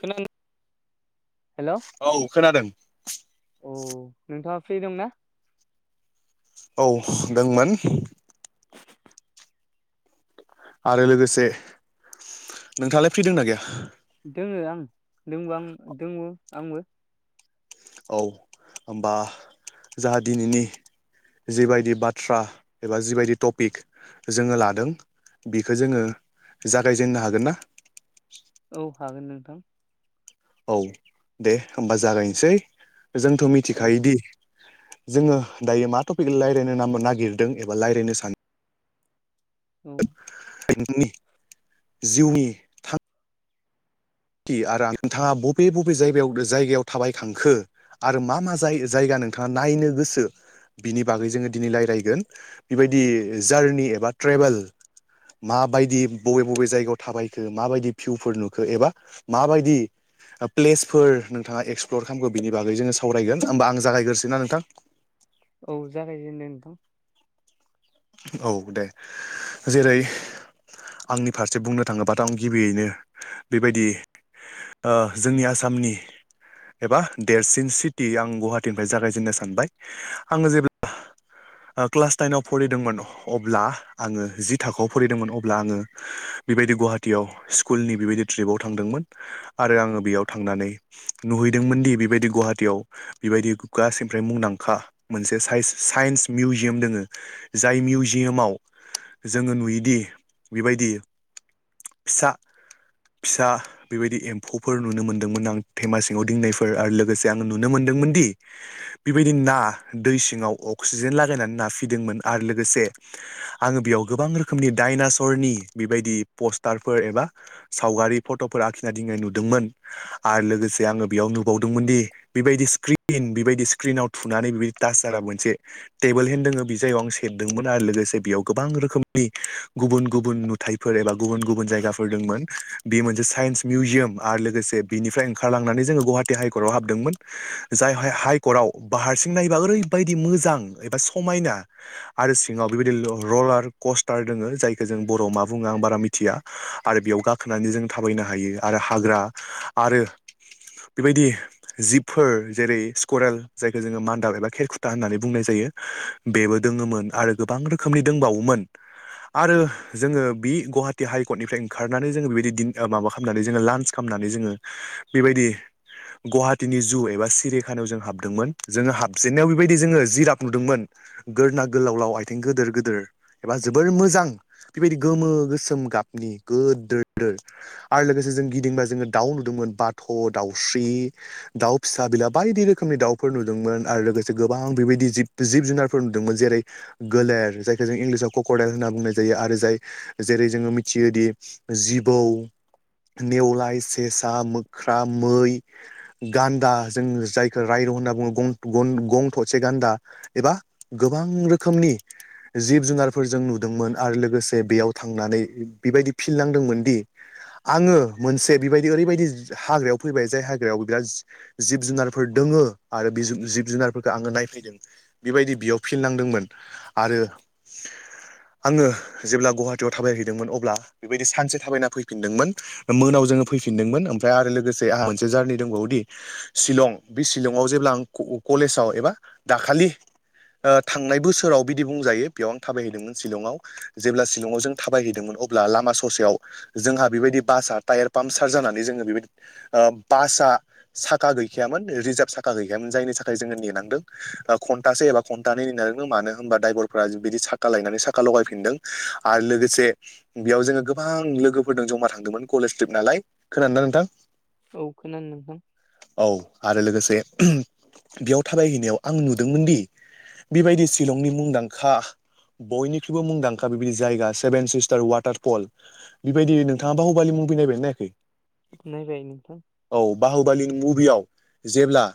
खोनादों? औ खोनादों। अ नोंथाङा फ्रि दंना? औ दोंमोन। आरो लोगोसे नोंथाङालाय फ्रि दोंना गैया? दोङो आं दोंबो आं दोङो आंबो। औ होमबा जाहा दिनैनि जिबायदि बाथ्रा एबा जिबायदि टपिक जोङो लादों बेखो जोङो जागायजेननो हागोन ना? औ हागोन नोंथां। औ दे होमबा जागायनोसै। जोंथ' औ मिथिखायोदि जोङो दायो मा टपिक रायलायनो ना-नागिरदों एबा रायलायनो सान औ। [unintelligible] जिउनि [unintelligible] आरो आं नोंथाङा बबे बबे जायगायाव जायगायाव थाबायखांखो आरो मा मा जाय-जायगा नोंथाङा नायनो गोसो बिनि बागै जोङो दिनै रायलायगोन बेबायदि जारनि एबा औ ट्रेभेल माबायदि बबे बबे जायगायाव थाबायखो माबायदि भिउफोर नुखो एबा माबायदि ओ प्लेसफोर नोंथाङा एक्सप्लर खालामखो बिनि बागै जो सावरायगोन होमबा आं जागायग्रोसैना नोंथां? औ जागायजेनदो नोंथां। औ दे जेरै आंनि फारसे बुंनो थाङोबाथ' आं गिबियैनो बेबायदि ओ जोंनि आसामनि एबा देरसिन सिटि आं गुहाटिनिफ्राय जागायजेननो सानबाय आङो जेब्ला क्लास टाइनाव फरायदोंमोन अब्ला आङो जि थाखोआव फरिदोंमोन अब्ला आङो बेबायदि गुहाटियाव स्कुलनि बेबायदि ट्रिपाव थांदोंमोन। आरो आङो बेयाव थांनानै नुहैदोंमोन दि बेबायदि गुहाटियाव बेबायदि गासैनिफ्राय मुंदांखा मोनसे साइस-साइन्स मिउजियाम दोङो जाय मिउजियामाव जोङो नुयोदि बेबायदि फिसा फिसा बेबायदि एम्फौफोर नुनो मोन्दोंमोन आं थेमा सिङाव दिननायफोर आरो लोगोसे आङो नुनो मोन्दोंमोन दि बेबायदि ना दै सिङाव अक्सिजेन लागायनानै ना फिदोंमोन आरो लोगोसे आङो बेयाव गोबां रोखोमनि डाइनासरनि बेबायदि पस्टारफोर एबा सावगारि फट'फोर आखिना दिंनाय नुदोंमोन आरो लोगोसे आङो बेयाव नुबावदोंमोन दि बेबायदि स्क्रिन बेबायदि स्क्रिनाव थुनानै बेबायदि टाच जाबा मोनसे टेबोल हेन दोङो बे जायाव आं सेरदोंमोन आरो लोगोसे बेयाव गोबां रोखोमनि गुबुन गुबुन नुथाइफोर एबा गुबुन गुबुन जायगाफोर दोंमोन बे मोनसे साइन्स मिउजियाम आरो लोगोसे बेनिफ्राय ओंखारलांनानै जोङो गुवाहाटि हाइकर्टआव हाबदोंमोन। जायहाय हाइकर्टआव बा हारसिं नायोबा ओरैबायदि मोजां एबा समायना आरो सिङाव बेबायदि र-रलार कस्टार दोङो जायखो जों बर'आव मा बुङो आं बारा मिथिया। आरो बेयाव गाखोनानै जों थाबायनो हायो आरो हाग्रा आरो बेबायदि जिबफोर जेरै स्क'रेल जायखौ जोङो मान्दाब एबा खेरखुथा होननानै बुंनाय जायो, बेबो दोङोमोन आरो गोबां रोखोमनि दोंबावोमोन। आरो जोङो बि गुवाहाटि हाइकर्टनिफ्राय ओंखारनानै जोङो बेबायदि दिन ओ माबा खालामनानै जोङो लान्स खालामनानै जोङो बेबायदि गुवाहाटीनि जु एबा सिरिखानायाव जों हाबदोंमोन जोङो हाबजेनन्नायाव बेबायदि जोङो जिराफ नुदोंमोन। गोरना गोलावलाव आइथिं गोदोर गोदोर एबा जोबोर मोजां बेबायदि गोमो गोसोम गाबनि गोदोर दोर। आरो लोगोसे जों गिदिंबा जोंङो दाउ नुदोंमोन बाथ' दाउस्रि दाउ फिसा बिला बायदि रोखोमनि दाउफोर नुदोंमोन आरो लोगोसे गोबां बेबायदि जिब जिब जुनारफोर नुदोंमोन जेरै- गोलेर जायखौ जों इंलिसाव क्रकडायेल होनना बुंनाय जायो आरो जाय जेरै जोंङो मिथियोदि जिबौ नेवलाय सेसा मोख्रा मै गान्दा जों जायखौ रायन' होनना बुं बुं बुंङो गं थसे गान्दा एबा गोबां रोखोमनि जिब जुनारफोरजों नुदोंमोन आरो लोगोसे बेयाव थांनानै बेबायदि फिल नांदोंमोन दि आंङो मोनसे बेबायदि ओरैबायदि हाग्रायाव फैबाय जाय हाग्रायाव बिराद जिब जुनारफोर दोंङो आरो जिब जुनारफोरखो आंङो नायफैदों बेबायदि बियाव फिलनांदोंमोन आरो आंङो जेब्ला गुवाहाटियाव थाबायहैदोंमोन अब्ला बेबायदि सानसे थाबायना फैफिनदोंमोन मोनाव जोंङो फैफिनदोंमोन ओमफ्राय आरो लोगोसे आंहा मोनसे जारनि दंबावोदि शिलं बे शिलंआव जेब्ला आं कलेजाव एबा दाखालि ओ थांनाय बोसोराव बिदि बुंजायो बेयाव आं थाबायहैदोंमोन शिलंआव जेब्ला शिलंआव जों थाबायहैदोंमोन अब्ला लामा ससेयाव जोंहा बेबायदि बासआ टायार पाम्पसार जानानै जोंङो बेबायदि बासा साखा गैखायामोन रिजार्भ साखा गैखायामोन जायनि थाखाय जोंङो नेनांदों। ओ खन्टासे एबा खन्टानै होनानै मानो होमबा दायभरफ्रा बिदि साखा लायनानै साखा लगायफिनदों आरो लोगोसे बेयाव जोंङो गोबां लोगोफोरजों जमा थांदोंमोन कलेज ट्रिप नालाय खोनादोंना नोंथां औ खोनानों नोंथां औ आरो लोगोसे बेयाव थाबायहैनायाव आं नुदोंमोन दि बेबायदि शिलंनि मुंदांखा बयनिख्रुइबो मुंदांखा बेबायदि जायगा सेभेन सिस्टार वाटारफल बेबायदिनो नोंथाङा बाहुबालि मुभि नायबायना नायाखै नायबाय नोंथां औ बाहुबालिनि मुभियाव जेब्ला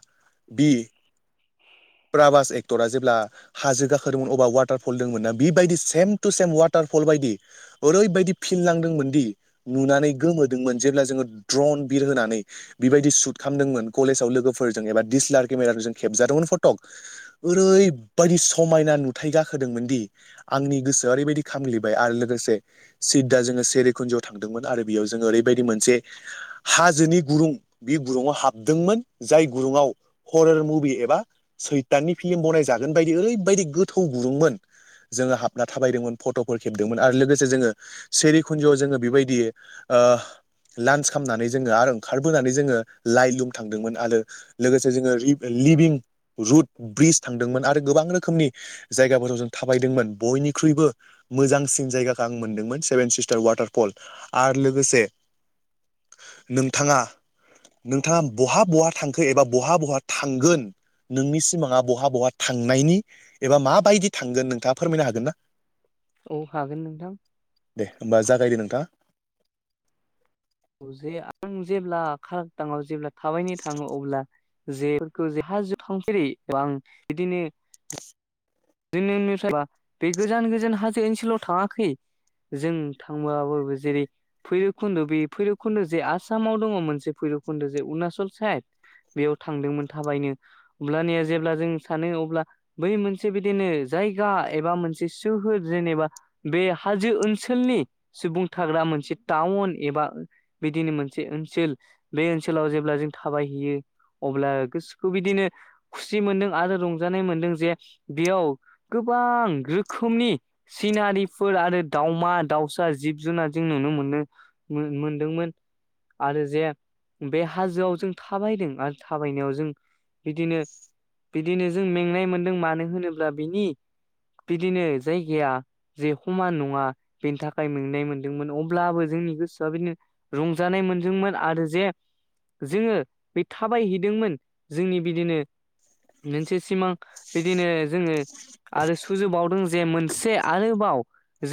बि प्राभास एक्टरा जेब्ला हाजो गाखोदोंमोन अबा वाटारफल दंमोन ना बेबायदि सेम टु सेम वाटारफल बायदि ओरैबायदि फिलनांदोंमोन दि नुनानै गोमोदोंमोन जेब्ला जोंङो द्रन बिरहोनानै बेबायदि सुट खालामदोंमोन कलेजाव लोगोफोरजों एबा दिडिसलार केमेराफोरजों खेबजादोंमोन फटक ओरैबायदि समायना नुथाय गाखोदोंमोन दि आंनि गोसोआ ओरैबायदि खामग्लिबाय आरो लोगोसे सिदा जोंङो सेरिखुन्जिआव थांदोंमोन आरो बेयाव जोंङो ओरैबायदि मोनसे हाजोनि गुरुं बे गुरुंङआव हाबदोंमोन जाय गुरुंङाव हरर मुभि एबा सैथाननि फिल्म बनायजागोन बायदि ओरैबायदि गोथौ गुरुंमोन जोंङो हाबना थाबायदोंमोन फट'फोर खेबदोंमोन आरो लोगोसे जोंङो। सेरिखुन्जआव जोंङो बेबायदि ओ लान्स खालामनानै जोंङो आरो ओंखारबोनानै जोंङो लाइ लुम थांदोंमोन आरो लोगोसे जोंङो लिभिं रुट ब्रिज थांदोंमोन आरो गोबां रोखोमनि जायगाफोराव जों थाबायदोंमोन बयनिख्रुइबो मोजांसिन जायगाखौ आं मोनदोंमोन सेभेन सिस्टार वाटारफल आरो लोगोसे नोंथांङा नोंथांङा बहा बहा थांखो एबा बहा बहा थांगोन नोंनि सिमाङा बहा बहा थांनायनि एबा माबायदि थांगोन नोंथाङा फोरमायनो हागोन ना? औ हागोन नोंथां दे होमबा जागायदो नोंथां औ जे आं जेब्ला खारदाङाव जेब्ला थाबायनो थांङो अब्ला जेफोरखौ जेहा जोब थांफेरै एबा बिदिनो [unintelligible] जोंनि ओनसोल बा बे गोजान गोजान हाजो ओनसोलाव थाङाखै जों थांबाबो जेरै भैराबखुन्द' बे भैरबखुन्द' जे आसामाव दङ मोनसे भैरबकुन्द' जे अरुणाचल साइद बेयाव थांदोंमोन थाबायनो अब्लानि जेब्ला जों सानो अब्ला बै मोनसे मोनसे बिदिनो जायगा एबा मोनसे सोहोर जेनेबा बे हाजो ओनसोलनि सुबुं थाग्रा मोनसे टाउन एबा बिदिनो मोनसे ओनसोल बे ओनसोलाव जेब्ला जों थाबायहैयो अब्ला गोसोखौ बिदिनो खुसि मोनदों आरो रंजानाय मोनदों जे बेयाव गोबां रोखोमनि सिनारिफोर आरो दावमा दाावसा जिब जुनार जों नुनो मोनो। मोन मोनदोंमोन आरो जे बे हाजोआव जों थाबायदों आरो थाबायनायाव जों बिदिनो बिदिनो जों मेंनाय मोनदों मानो होनोब्ला बिनि बिदिनो जायगाया जे समान नङा बेनि थाखाय मेंनाय मोनदोंमोन अब्लाबो जोंनि गोसोआ बिदिनो रंजानाय मोनदोंमोन आरो जे जोङो बे थाबाय हैदोंमोन जोंनि बिदिनो मोनसे सिमां बिदिनो जोङो आरो सुजोबावदों जे से आरोबाव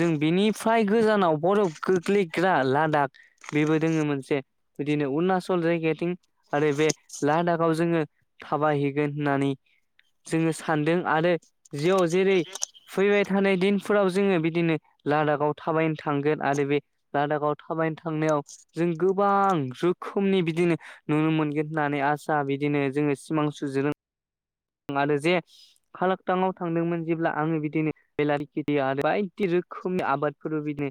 जों बेनिफ्राय गोजानाव बरफ गोग्लैग्रा लादाख बेबो दोङो मोनसे बिदिनो अरुनाचल जायगाथिं आरो बे लादाखाव जोङो थाबायहैगोन होननानै जोङो सानदों आरो जिआव जेरै फैबाय थानाय दिनफोराव जोङो बिदिनो लादाखाव थाबायनो थांगोन आरो बे लादाखाव थाबायनो थांनायाव जों गोबां रोखोमनि बिदिनो नुनो मोनगोन होननानै आसा बिदिनो जोङो सिमां सुजुदों आरो जे खालाकटांआव थांदोंमोन जेब्ला आङो बिदिनो बेलारगिरि आरो बायदि रोखोमनि आबादफोरबो बिदिनो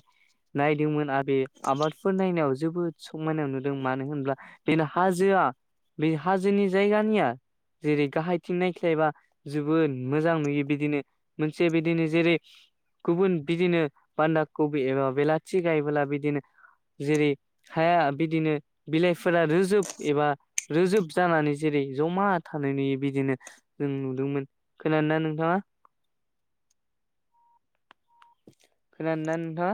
नायदोंमोन आ बे आबादफोर नायनायाव जोबोद समायनायाव नुदों मानो होनब्ला बेनो हाजोआ बे हाजोनि जायगानिया जेरै गाहाय थिं नायख्लायबा जोबोद मोजां नुयो बिदिनो मोनसे बिदिनो जेरै गुबुन बिदिनो बान्दा कबि एबा बेलाथि गायोबोब्ला बिदिनो जेरै हाया बिदिनो बिलाइफोरा रोजोब एबा रोजोब जानानै जेरै जमा थानाय नुयो बिदिनो जों नुदोंमोन खोनादोना नोंथाङा खोनादो ना नोंथांङा?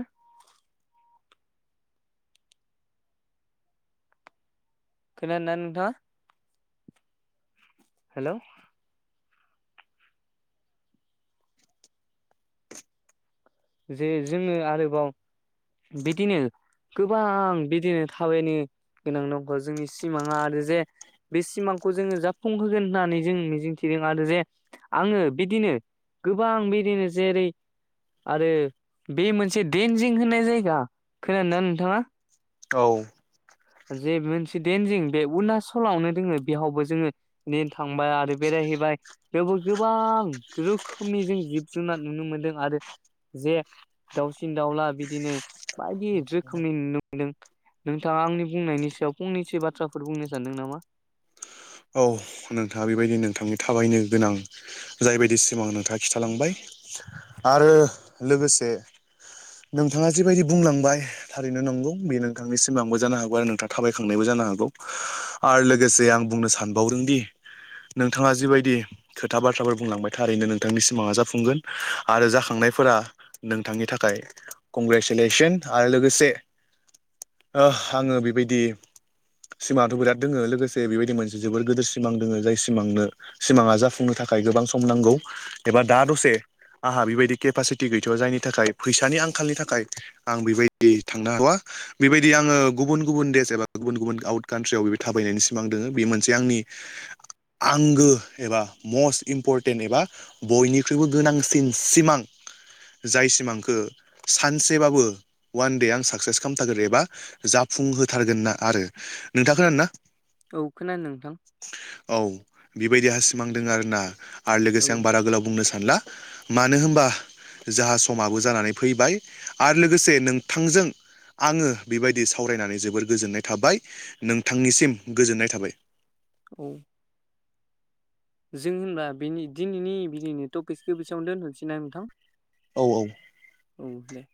खोनादो ना नोंथांङा हेल' जे जोङो आरोबाव बिदिनो गोबां बिदिनो थाबायनो गोनां दं जोंनि सिमाङा आरो जे बे सिमांखौ जोङो जाफुंहोगोन होननानै जों मिजिंथिदों आरो जे आङो बिदिनो गोबां बिदिनो जेरै आरो बे मोनसे देनजिं होननाय जायगा खोनादो ना नोंथांङा औ जे मोनसे देनजिं बे अरुणचलावनो दोङो बेहावबो जोङो ने थांबाय आरो बेरायहैबाय बेवबो गोबां रोखोमनि जों जिब जुनार नुनो मोनदों आरो जे दाउसिन दाउला बिदिनो बायदि रोखोमनि नुदों नोंथाङा आंनि बुंनायनि सायाव फंनैसो बाथ्राफोर बुंनो सानदों नामा औ नोंथाङा बेबायदि नोंथांनि थाबायनो गोनां। जायबायायदि सिमां नोंथाङा खिथालांबाय आरो लोगोसे नोंथाङा जिबायदि बुंलांबाय थारैनो नंगौ बे नोंथांनि सिमांबो जानो हागौ आरो नोंथां थाबायखांनायबो जानो हागौ। आरो लोगोसे आं बुंनो सा सानबावदों दि नोंथाङा जिबायदि खोथा बाथ्राफोर बुंलांबाय थारैनो नोंथांनि सिमाङा जाफुंगोन। आरो जाखांनायफोरा नोंथांनि थाखाय कंग्रेसुलेसन आरो लोगोसे ओ आङो बेबायदि सिमाङाथ' बिराद दोङो लोगोसे बेबायदि मोनसे जोबोर गोदोर सिमां दोङो जाय सिमांनो सिमाङा जाफुंनो थाखाय गोबां सम नांगौ। एबा दा दसे आंहा बेबायदि केपासिटि गैथ'आ जायनि थाखाय फैसानि आंखालनि थाखाय आं बेबायदि थांनो हाथआ बेबायदि आङो गुबुन गुबुन देश एबा गुबुन गुबुन आउट कान्ट्रियाव बे थाबायनायनि सिमां दोङो। बे मोन जे आंनि आंगो एबा मस इम्परटेन्ट एबा बयनिख्रुयबो गोनांसिन सिमां जाय सिमांखो सानसेबाबो अ'वान दे आं साक्सेस खालाम थारगोन एबा जाफुं होथारगोन ना आरो। नोंथां खोनादो ना? औ खोना नोंथां। औ बे बायदिहा सिमां दोङो आरो ना। आरो औ लोगोसे आं बारा गोलाव बुंनो सानला मानो होमबा जाहा समाबो जानानै फैबाय आरो लोगोसे नोंथांजों आङो बेबायदि सावरायनानै जोबोर गोजोननाय थाबाय। नोंथांनिसिम गोजोननाय थाबाय। औ जों होमबा बेनि दिनैनि बिनैनि टपिसखो बेसेयावनो दोनथ'नोसै ना नोंथां। औ औ औ दे।